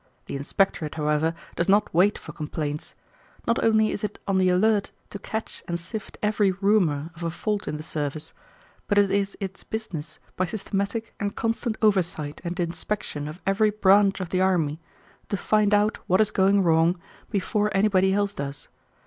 The inspectorate, however, does not wait for complaints. Not only is it on the alert to catch and sift every rumor of a fault in the service, but it is its business, by systematic and constant oversight and inspection of every branch of the army, to find out what is going wrong before anybody else does.